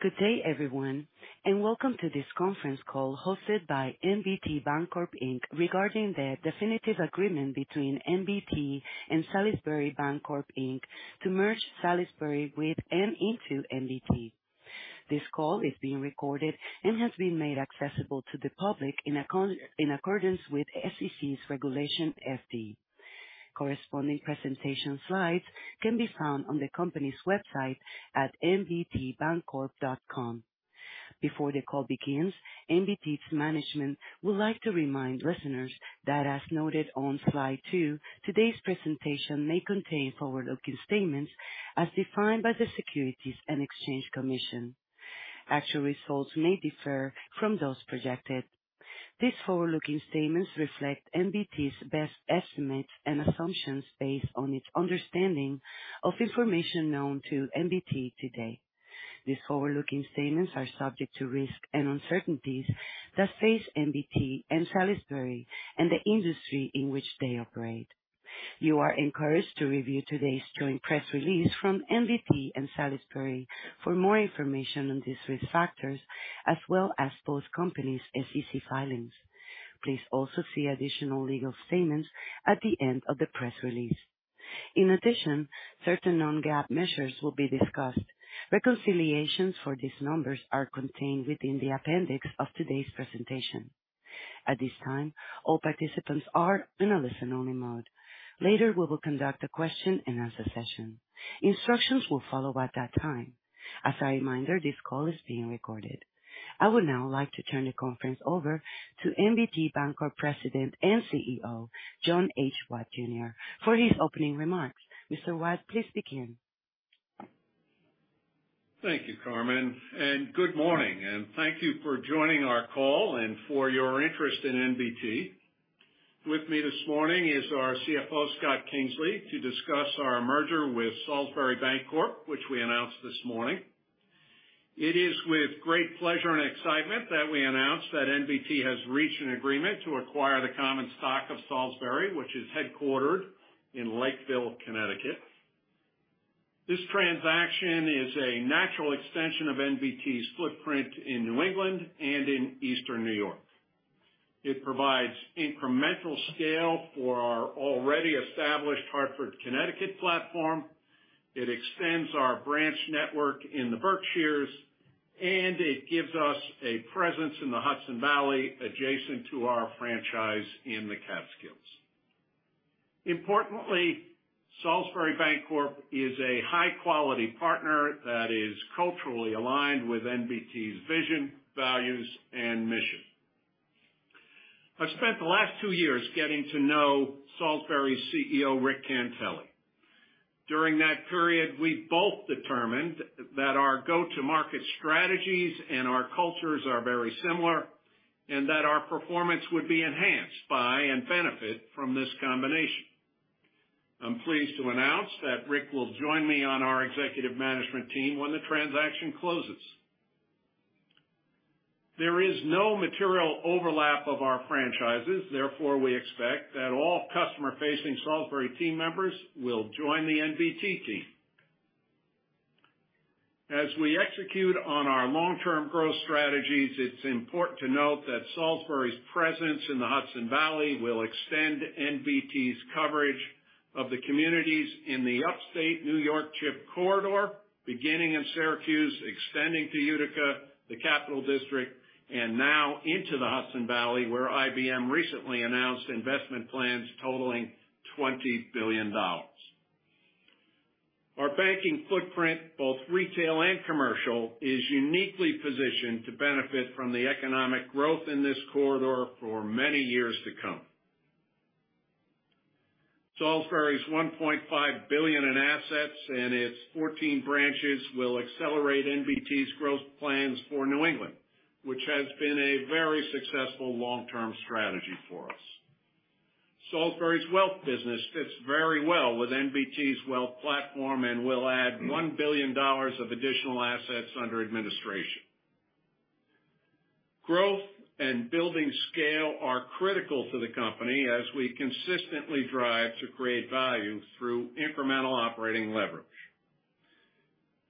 Good day, everyone, and welcome to this conference call hosted by NBT Bancorp Inc. regarding the definitive agreement between NBT and Salisbury Bancorp Inc. to merge Salisbury with and into NBT. This call is being recorded and has been made accessible to the public in accordance with SEC's Regulation FD. Corresponding presentation slides can be found on the company's website at nbtbancorp.com. Before the call begins, NBT's management would like to remind listeners that, as noted on slide two, today's presentation may contain forward-looking statements as defined by the Securities and Exchange Commission. Actual results may differ from those projected. These forward-looking statements reflect NBT's best estimates and assumptions based on its understanding of information known to NBT today. These forward-looking statements are subject to risks and uncertainties that face NBT and Salisbury and the industry in which they operate. You are encouraged to review today's joint press release from NBT and Salisbury for more information on these risk factors, as well as both companies' SEC filings. Please also see additional legal statements at the end of the press release. Certain non-GAAP measures will be discussed. Reconciliations for these numbers are contained within the appendix of today's presentation. At this time, all participants are in a listen-only mode. Later, we will conduct a question-and-answer session. Instructions will follow at that time. As a reminder, this call is being recorded. I would now like to turn the conference over to NBT Bancorp President and CEO, John H. Watt Jr., for his opening remarks. Mr. Watt, please begin. Thank you, Carmen, and good morning and thank you for joining our call and for your interest in NBT. With me this morning is our CFO, Scott Kingsley, to discuss our merger with Salisbury Bancorp, which we announced this morning. It is with great pleasure and excitement that we announce that NBT has reached an agreement to acquire the common stock of Salisbury, which is headquartered in Lakeville, Connecticut. This transaction is a natural extension of NBT's footprint in New England and in eastern New York. It provides incremental scale for our already established Hartford, Connecticut, platform. It extends our branch network in the Berkshires, and it gives us a presence in the Hudson Valley adjacent to our franchise in the Catskills. Importantly, Salisbury Bancorp is a high-quality partner that is culturally aligned with NBT's vision, values, and mission. I've spent the last two years getting to know Salisbury CEO, Rick Cantele. During that period, we both determined that our go-to-market strategies and our cultures are very similar and that our performance would be enhanced by and benefit from this combination. I'm pleased to announce that Rick will join me on our executive management team when the transaction closes. There is no material overlap of our franchises. Therefore, we expect that all customer-facing Salisbury team members will join the NBT team. As we execute on our long-term growth strategies, it's important to note that Salisbury's presence in the Hudson Valley will extend NBT's coverage of the communities in the upstate New York Chip Corridor, beginning in Syracuse, extending to Utica, the Capital District, and now into the Hudson Valley, where IBM recently announced investment plans totaling $20 billion. Our banking footprint, both retail and commercial, is uniquely positioned to benefit from the economic growth in this Chip Corridor for many years to come. Salisbury's $1.5 billion in assets and its 14 branches will accelerate NBT's growth plans for New England, which has been a very successful long-term strategy for us. Salisbury's wealth business fits very well with NBT's wealth platform and will add $1 billion of additional assets under administration. Growth and building scale are critical to the company as we consistently drive to create value through incremental operating leverage.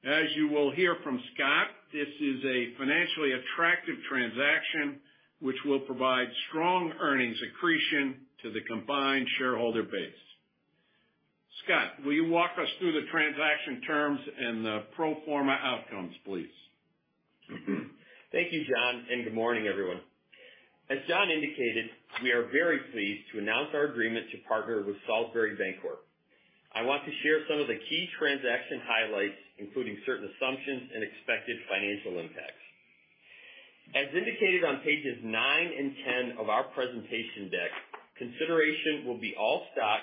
As you will hear from Scott, this is a financially attractive transaction which will provide strong earnings accretion to the combined shareholder base. Scott, will you walk us through the transaction terms and the pro forma outcomes, please? Thank you, John, good morning, everyone. As John indicated, we are very pleased to announce our agreement to partner with Salisbury Bancorp. I want to share some of the key transaction highlights, including certain assumptions and expected financial impacts. As indicated on pages 9 and 10 of our presentation deck, consideration will be all stock,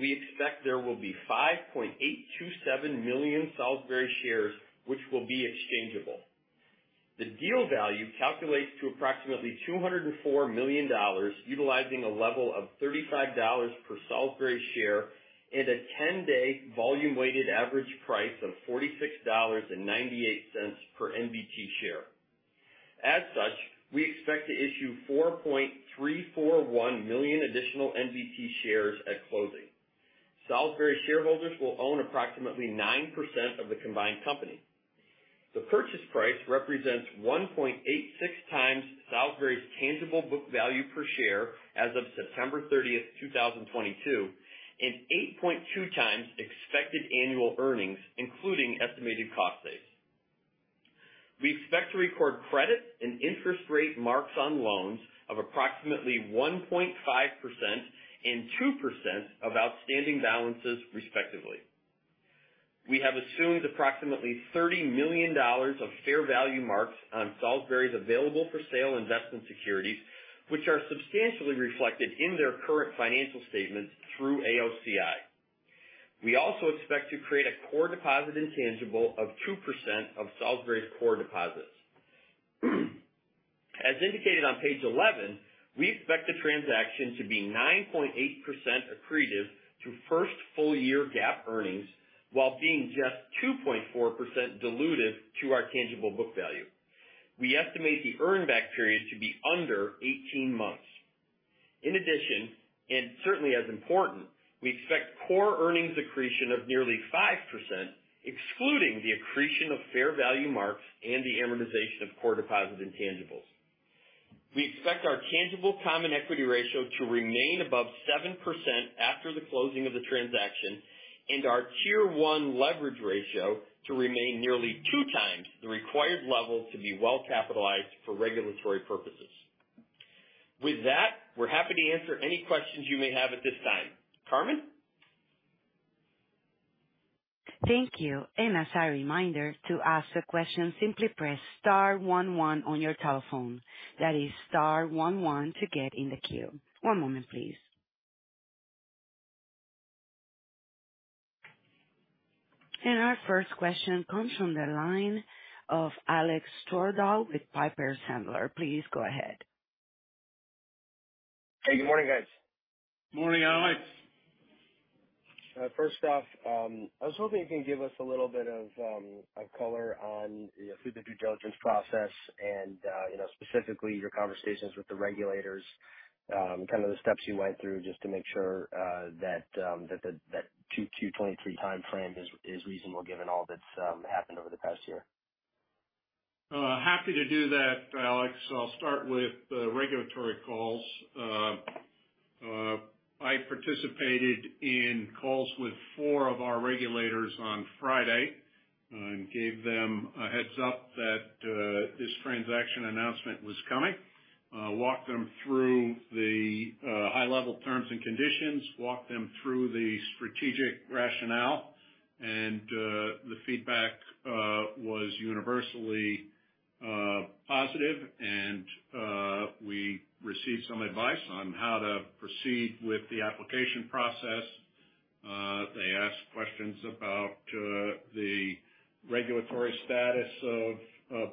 we expect there will be 5.827 million Salisbury shares, which will be exchangeable. The deal value calculates to approximately $204 million, utilizing a level of $35 per Salisbury share and a 10-day volume-weighted average price of $46.98 per NBT share. As such, we expect to issue 4.341 million additional NBT shares at closing. Salisbury shareholders will own approximately 9% of the combined company. The purchase price represents 1.86 times Salisbury's tangible book value per share as of September 30, 2022, and 8.2 times expected annual earnings, including estimated cost saves. We expect to record credit and interest rate marks on loans of approximately 1.5% and 2% of outstanding balances, respectively. We have assumed approximately $30 million of fair value marks on Salisbury's available for sale investment securities, which are substantially reflected in their current financial statements through AOCI. We also expect to create a core deposit intangible of 2% of Salisbury's core deposits. As indicated on page 11, we expect the transaction to be 9.8% accretive to first full year GAAP earnings, while being just 2.4% dilutive to our tangible book value. We estimate the earn back period to be under 18 months. In addition, and certainly as important, we expect core earnings accretion of nearly 5%, excluding the accretion of fair value marks and the amortization of core deposit intangibles. We expect our tangible common equity ratio to remain above 7% after the closing of the transaction and our Tier One leverage ratio to remain nearly 2 times the required level to be well capitalized for regulatory purposes. With that, we're happy to answer any questions you may have at this time. Carmen? Thank you. As a reminder to ask a question, simply press star one one on your telephone. That is star one one to get in the queue. One moment please. Our first question comes from the line of Alexander Twerdahl with Piper Sandler. Please go ahead. Hey, good morning, guys. Morning, Alex. First off, I was hoping you can give us a little bit of color on through the due diligence process and, you know, specifically your conversations with the regulators, kind of the steps you went through just to make sure that Q2 2023 timeframe is reasonable given all that's happened over the past year. Happy to do that, Alex. I'll start with the regulatory calls. I participated in calls with four of our regulators on Friday, and gave them a heads up that this transaction announcement was coming. Walked them through the high level terms and conditions. Walked them through the strategic rationale. The feedback was universally positive. We received some advice on how to proceed with the application process. They asked questions about the regulatory status of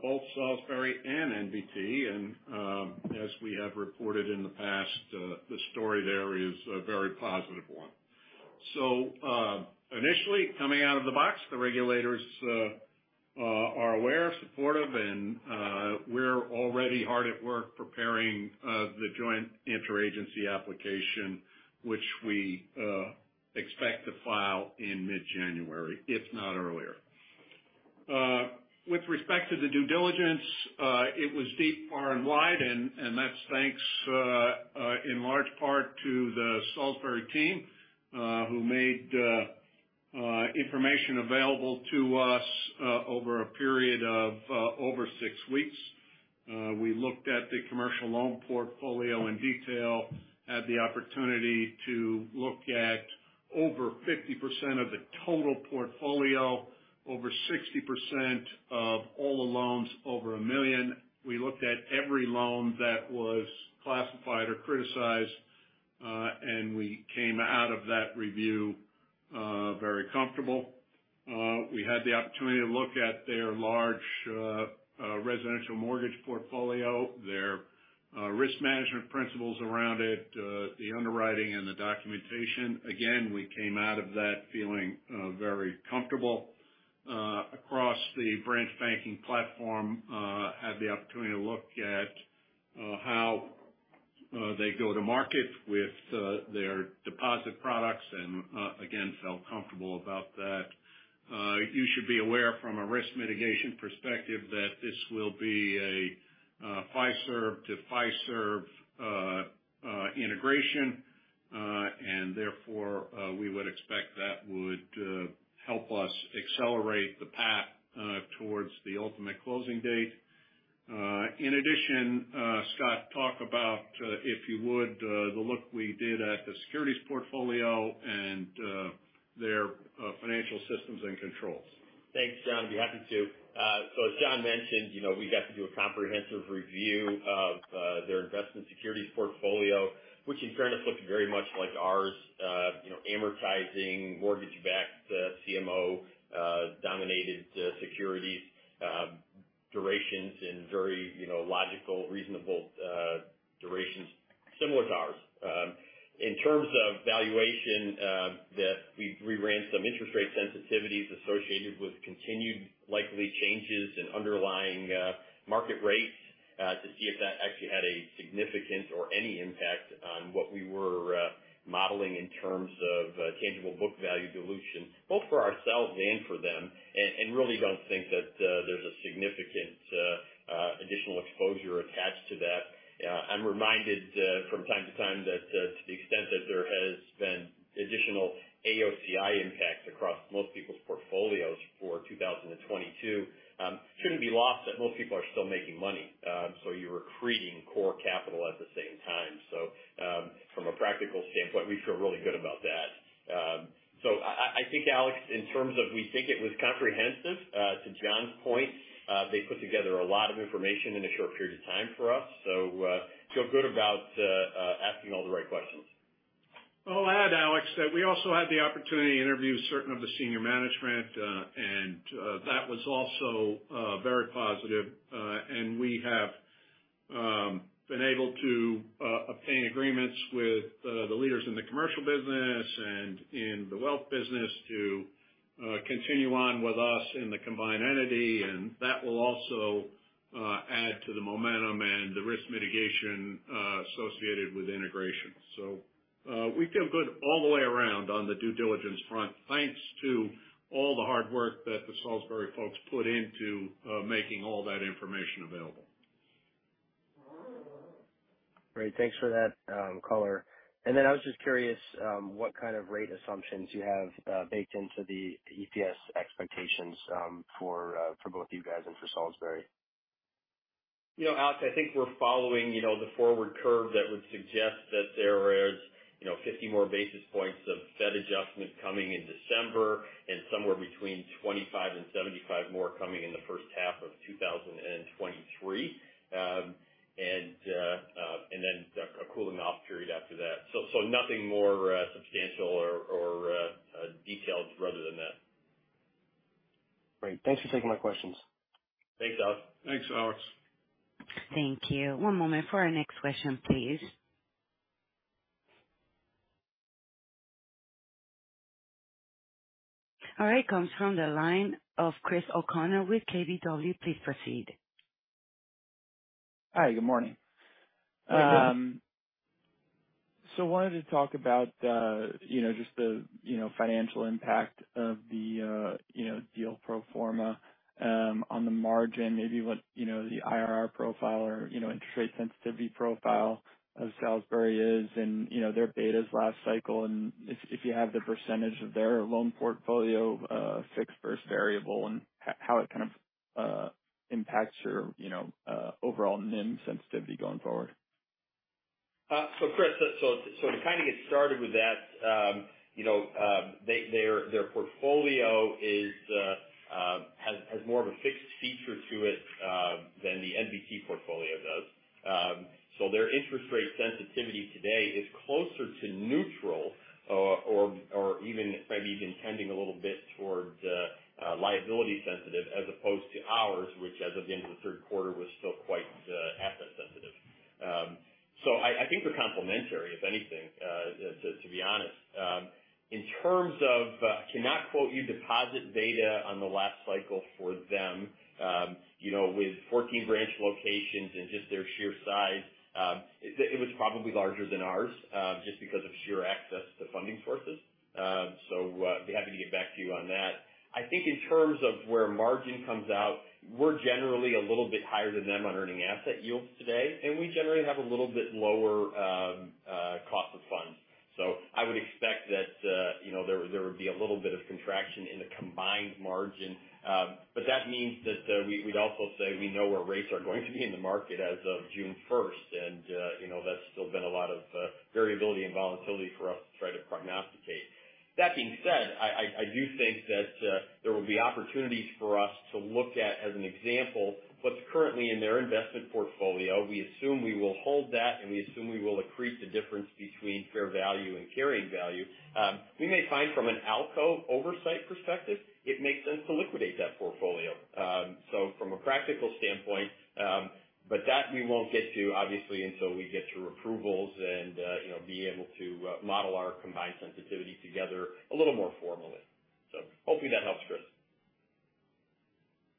both Salisbury and NBT. As we have reported in the past, the story there is a very positive one. Initially coming out of the box, the regulators are aware, supportive, and we're already hard at work preparing the joint interagency application, which we expect to file in mid-January, if not earlier. With respect to the due diligence, it was deep, far, and wide, and that's thanks in large part to the Salisbury team, who made information available to us over a period of over 6 weeks. We looked at the commercial loan portfolio in detail. Had the opportunity to look at over 50% of the total portfolio, over 60% of all the loans over $1 million. We looke We had the opportunity to look at their large residential mortgage portfolio, their risk management principles around it, the underwriting and the documentation. Again, we came out of that feeling very comfortable. Across the branch banking platform, had the opportunity to look at how they go to market with their deposit products and again, felt comfortable about that. You should be aware from a risk mitigation perspective that this will be a Fiserv to Fiserv integration, and therefore, we would expect that would help us accelerate the path towards the ultimate closing date. In addition, Scott, talk about, if you would, the look we did at the securities portfolio and their financial systems and controls. Thanks, John. I'd be happy to. As John mentioned, you know, we got to do a comprehensive review of their investment securities portfolio, which in fairness looked very much like ours. You know, amortizing mortgage-backed CMO dominated securities, durations and very, you know, logical, reasonable durations similar to ours. In terms of valuation that we ran some interest rate sensitivities associated with continued likely changes in underlying market rates to see if that actually had a significant or any impact on what we were modeling in terms of tangible book value dilution, both for ourselves and for them. Really don't think that there's a significant additional exposure attached to that. I'm reminded from time to time that to the extent that there has been additional AOCI impact across most people's portfolios for 2022, shouldn't be lost that most people are still making money. You're accreting core capital at the same time. From a practical standpoint, we feel really good about that. I think, Alex, in terms of we think it was comprehensive to John's point, they put together a lot of information in a short period of time for us. Feel good about asking all the right questions. I'll add, Alex, that we also had the opportunity to interview certain of the senior management, and that was also very positive. We have been able to obtain agreements with the leaders in the commercial business and in the wealth business to continue on with us in the combined entity, and that will also add to the momentum and the risk mitigation associated with integration. We feel good all the way around on the due diligence front, thanks to all the hard work that the Salisbury folks put into making all that information available. Great. Thanks for that color. I was just curious what kind of rate assumptions you have baked into the EPS expectations for both you guys and for Salisbury? You know, Alex, I think we're following, you know, the forward curve that would suggest that there is, you know, 50 more basis points of Fed adjustment coming in December and somewhere between 25 and 75 more coming in the first half of 2023. Then a cooling off period after that. Nothing more substantial or detailed rather than that. Great. Thanks for taking my questions. Thanks, Alex. Thanks, Alex. Thank you. One moment for our next question, please. All right. Comes from the line of Chris O'Connell with KBW. Please proceed. Hi, good morning. Hi, good morning. Wanted to talk about, you know, just the, you know, financial impact of the, you know, deal pro forma, on the margin, maybe what, you know, the IRR profile or, you know, interest rate sensitivity profile of Salisbury is and, you know, their betas last cycle. If you have the % of their loan portfolio, fixed versus variable, and how it kind of, impacts your, overall NIM sensitivity going forward. Chris, so to kind of get started with that, you know, they, their portfolio is, has more of a fixed feature to it than the NBT portfolio does. Their interest rate sensitivity today is closer to neutral, or even maybe even tending a little bit towards liability sensitive, as opposed to ours, which as of the end of the third quarter was still quite asset sensitive. I think we're complementary, if anything, to be honest. In terms of, cannot quote you deposit beta on the last cycle for them. You know, with 14 branch locations and just their sheer size, it was probably larger than ours, just because of sheer access to funding sources. Be happy to get back to you on that. I think in terms of where margin comes out, we're generally a little bit higher than them on earning asset yields today, and we generally have a little bit lower cost of funds. I would expect that, you know, there would be a little bit of contraction in the combined margin. That means that, we'd also say we know where rates are going to be in the market as of June 1st. You know, that's still been a lot of variability and volatility for us to try to prognosticate. That being said, I do think that there will be opportunities for us to look at, as an example, what's currently in their investment portfolio. We assume we will hold that, we assume we will accrete the difference between fair value and carrying value. We may find from an ALCO oversight perspective it makes sense to liquidate that portfolio. From a practical standpoint, but that we won't get to, obviously, until we get through approvals and, you know, be able to model our combined sensitivity together a little more formally. Hopefully that helps, Chris.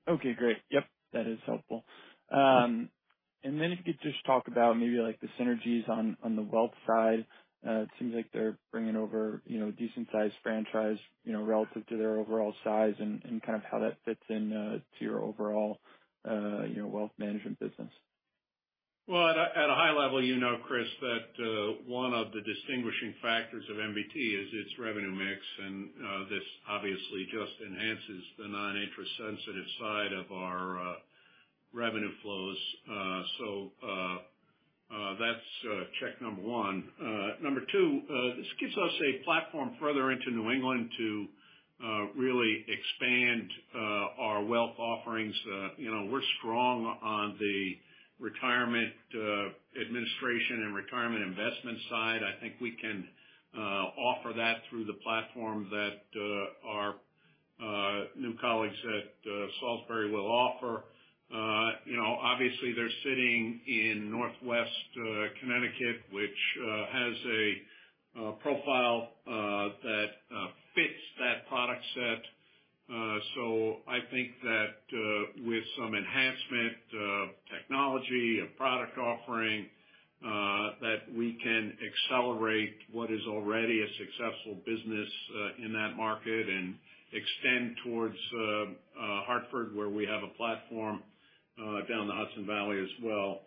Okay, great. Yep. That is helpful. If you could just talk about maybe like the synergies on the wealth side. It seems like they're bringing over, you know, a decent-sized franchise, you know, relative to their overall size and kind of how that fits in, to your overall, you know, wealth management business. Well, at a high level, you know, Chris, that one of the distinguishing factors of NBT is its revenue mix. This obviously just enhances the non-interest sensitive side of our revenue flows. That's check number one. Number two, this gives us a platform further into New England to really expand our wealth offerings. You know, we're strong on the retirement administration and retirement investment side. I think we can offer that through the platform that our new colleagues at Salisbury will offer. You know, obviously they're sitting in Northwest Connecticut, which has a profile that fits that product set. I think that with some enhancement of technology and product offering, that we can accelerate what is already a successful business in that market and extend towards Hartford, where we have a platform down the Hudson Valley as well.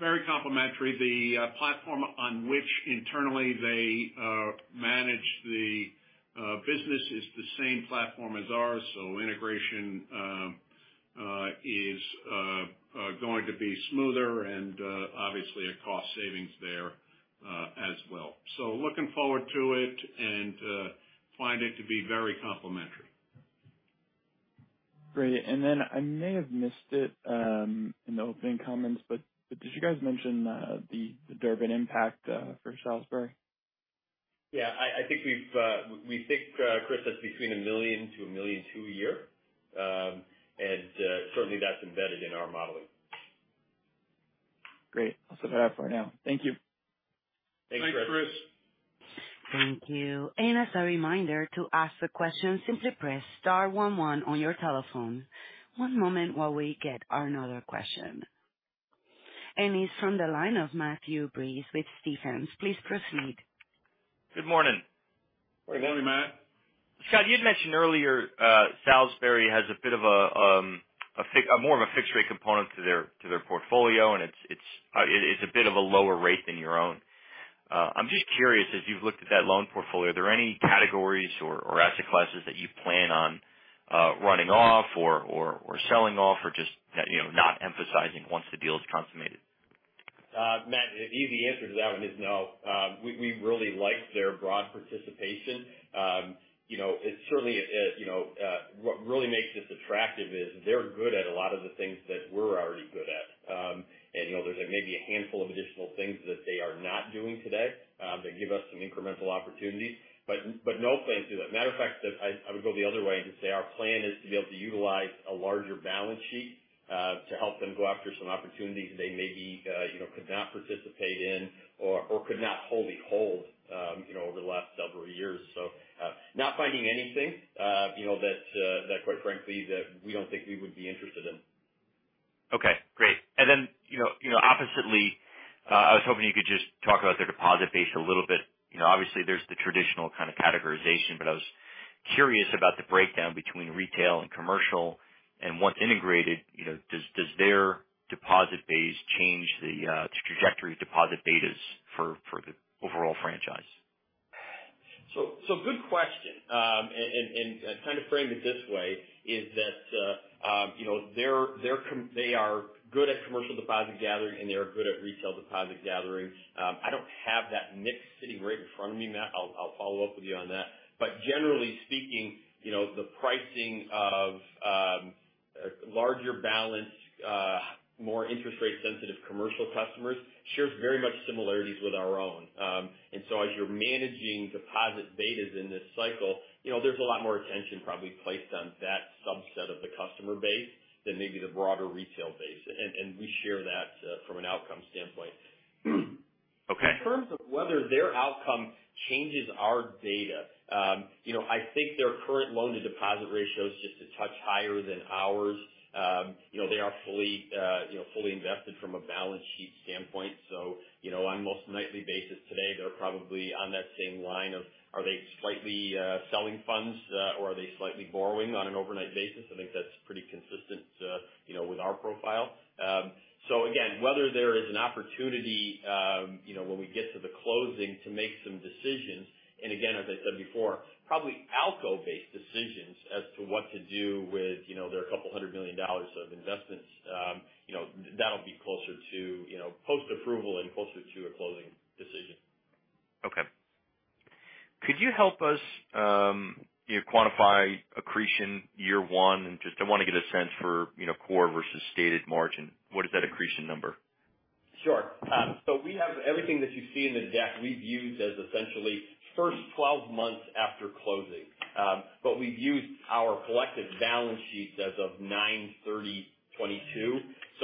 Very complimentary. The platform on which internally they manage the business is the same platform as ours, integration is going to be smoother and obviously a cost savings there as well. Looking forward to it, and find it to be very complimentary. Great. Then I may have missed it, in the opening comments, but did you guys mention the Durbin impact for Salisbury? Yeah. I think we've, we think, Chris, that's between $1 million-$1.2 million a year. Certainly that's embedded in our modeling. Great. I'll set that out for now. Thank you. Thanks, Chris. Thanks, Chris. Thank you. As a reminder to ask the question, simply press star one one on your telephone. One moment while we get another question. It's from the line of Matthew Breese with Stephens. Please proceed. Good morning. Good morning, Matt. Scott, you'd mentioned earlier, Salisbury has a bit of a, more of a fixed rate component to their portfolio, and it's a bit of a lower rate than your own. I'm just curious, as you've looked at that loan portfolio, are there any categories or asset classes that you plan on, writing off or selling off or just, you know, not emphasizing once the deal is consummated? Matt, the easy answer to that one is no. We really like their broad participation. You know, it's certainly, you know, what really makes this attractive is they're good at a lot of the things that we're already good at. You know, there's maybe a handful of additional things that they are not doing today that give us some incremental opportunities. But no plans to do that. Matter of fact, I would go the other way and say our plan is to be able to utilize a larger balance sheet to help them go after some opportunities they maybe, you know, could not participate in or could not wholly hold, you know, over the last several years. Not finding anything, you know, that quite frankly, that we don't think we would be interested in. Okay, great. You know, oppositely, I was hoping you could just talk about their deposit base a little bit. You know, obviously there's the traditional kind of categorization, I was curious about the breakdown between retail and commercial. Once integrated, you know, does their deposit base change the trajectory of deposit betas for the overall franchise? Good question. I kind of frame it this way, is that, you know, they are good at commercial deposit gathering, and they are good at retail deposit gathering. I don't have that mix sitting right in front of me, Matt. I'll follow up with you on that. Generally speaking, you know, the pricing of larger balance, more interest rate sensitive commercial customers shares very much similarities with our own. As you're managing deposit betas in this cycle, you know, there's a lot more attention probably placed on that subset of the customer base than maybe the broader retail base. We share that from an outcome standpoint. Okay. In terms of whether their outcome changes our data, you know, I think their current loan to deposit ratio is just a touch higher than ours. You know, they are fully, you know, fully invested from a balance sheet standpoint. You know, on most nightly basis today, they're probably on that same line of are they slightly selling funds, or are they slightly borrowing on an overnight basis? I think that's pretty consistent, you know, with our profile. So again, whether there is an opportunity, you know, when we get to the closing to make some decisions, and again, as I said before, probably ALCO-based decisions as to what to do with, you know, their $200 million of investments. You know, that'll be closer to, you know, post-approval and closer to a closing decision. Okay. Could you help us, you know, quantify accretion year one? Just I want to get a sense for, you know, core versus stated margin. What is that accretion number? Sure. We have everything that you see in the deck we've used as essentially first 12 months after closing. We've used our collective balance sheets as of 9/30/2022.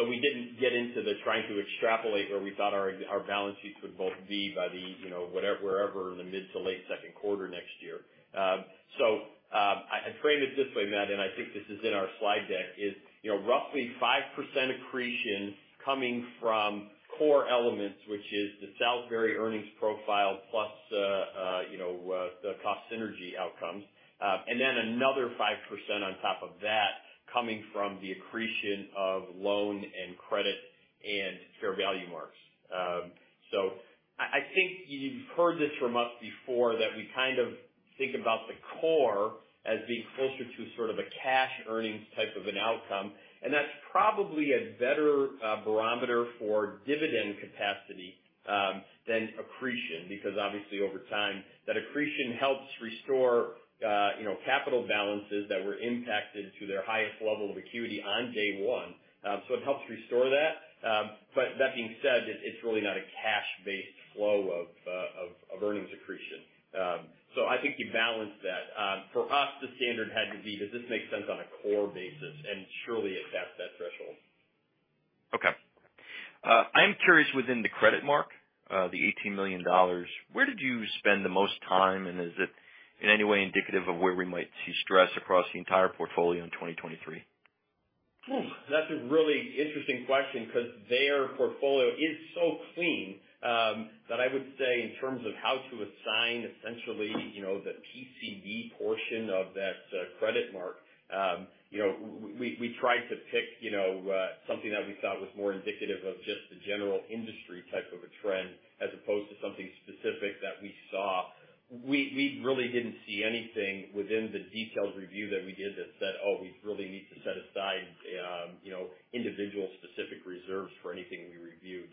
We didn't get into the trying to extrapolate where we thought our balance sheets would both be by the, you know, whatever, wherever in the mid to late second quarter next year. I frame it this way, Matt, and I think this is in our slide deck, is, you know, roughly 5% accretion coming from core elements, which is the Salisbury earnings profile plus, you know, the cost synergy outcomes. Another 5% on top of that coming from the accretion of loan and credit and fair value marks. So I think you've heard this from us before, that we kind of think about the core as being closer to sort of a cash earnings type of an outcome, and that's probably a better barometer for dividend capacity than accretion. Because obviously over time, that accretion helps restore, you know, capital balanceThat were impacted to their highest level of acuity on day one. So it helps restore that. But that being said, it's really not a cash-based flow of earnings accretion. So I think you balance that. For us, the standard had to be, does this make sense on a core basis? Surely it passed that threshold. Okay. I'm curious within the credit mark, the $18 million, where did you spend the most time? Is it in any way indicative of where we might see stress across the entire portfolio in 2023? Ooh. That's a really interesting question because their portfolio is so clean, that I would say in terms of how to assign essentially, you know, the PCD portion of that credit mark. You know, we tried to pick, you know, something that we thought was more indicative of just the general industry type of a trend as opposed to something specific that we saw. We really didn't see anything within the detailed review that we did that said, "Oh, we really need to set aside, you know, individual specific reserves for anything we reviewed."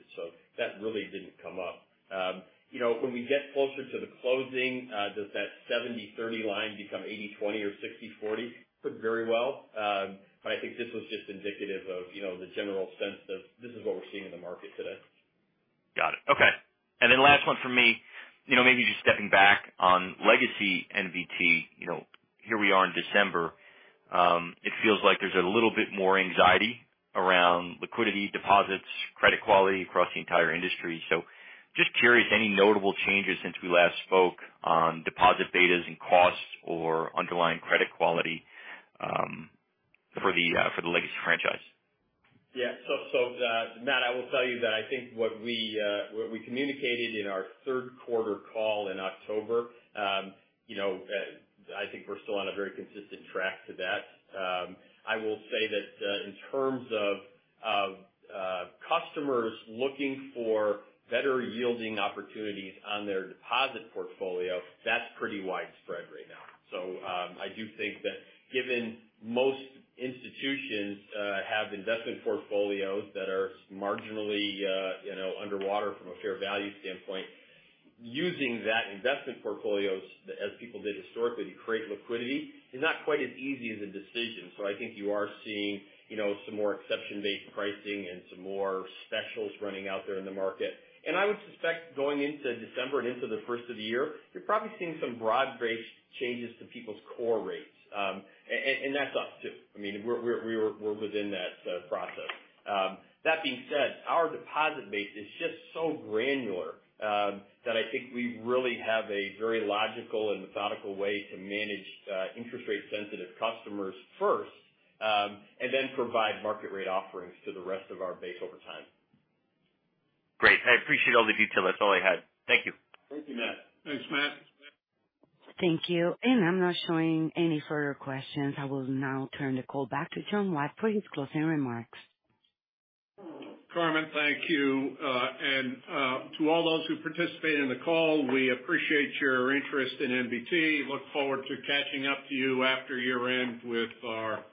That really didn't come up. You know, when we get closer to the closing, does that 70/30 line become 80/20 or 60/40? Could very well. I think this was just indicative of, you know, the general sense that this is what we're seeing in the market today. Got it. Okay. Last one from me. You know, maybe just stepping back on legacy NBT. You know, here we are in December. It feels like there's a little bit more anxiety around liquidity, deposits, credit quality across the entire industry. Just curious, any notable changes since we last spoke on deposit betas and costs or underlying credit quality for the legacy franchise? Matt, I will tell you that I think what we, what we communicated in our third quarter call in October, you know, I think we're still on a very consistent track to that. I will say that in terms of customers looking for better yielding opportunities on their deposit portfolio, that's pretty widespread right now. I do think that given most institutions have investment portfolios that are marginally, you know, underwater from a fair value standpoint, using that investment portfolios as people did historically to create liquidity is not quite as easy as a decision. I think you are seeing, you know, some more exception based pricing and some more specials running out there in the market. I would suspect going into December and into the first of the year, you're probably seeing some broad-based changes to people's core rates. And that's us too. I mean, we're within that process. That being said, our deposit base is just so granular, that I think we really have a very logical and methodical way to manage interest rate sensitive customers first, and then provide market rate offerings to the rest of our base over time. Great. I appreciate all the detail. That's all I had. Thank you. Thank you, Matt. Thanks, Matt. Thank you. I'm not showing any further questions. I will now turn the call back to John Watt for his closing remarks. Carmen, thank you. To all those who participated in the call, we appreciate your interest in NBT. Look forward to catching up to you after year-end with our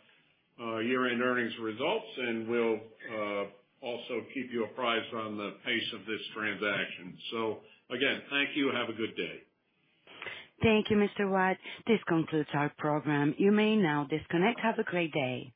year-end earnings results, and we'll also keep you apprised on the pace of this transaction. Again, thank you. Have a good day. Thank you, Mr. Watt. This concludes our program. You may now disconnect. Have a great day.